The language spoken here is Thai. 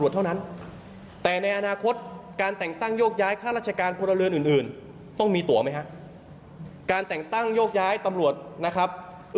ใช้คำว่าขอมาเยอะครับ